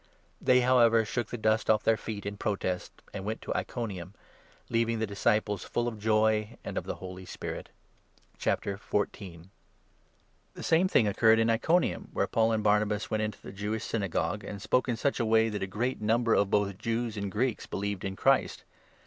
They, however, shook the dust off their feet in protest, 51 and went to Iconium, leaving the disciples full of joy and of 52 the Holy Spirit. p^, The same thing occurred in Iconium, where i and Barnabas Paul and Barnabas went into the Jewish Syna «t iconium. gogue, and spoke in such a way that a great number of both Jews and Greeks believed in Christ.